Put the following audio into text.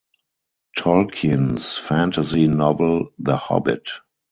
Tolkien's fantasy novel "The Hobbit".